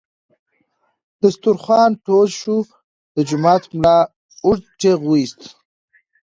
دسترخوان ټول شو، د جومات ملا اوږد ټېغ ویست.